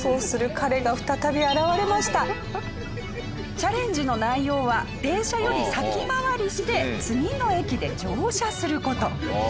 チャレンジの内容は電車より先回りして次の駅で乗車する事。